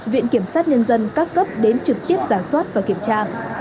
viện kiểm sát nhân dân các cấp đến trực tiếp giả soát và kiểm tra